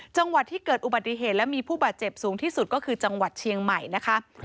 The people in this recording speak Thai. จังหวัดที่เกิดอุบัติเหตุและมีผู้บาดเจ็บสูงที่สุดก็คือจังหวัดเชียงใหม่นะคะ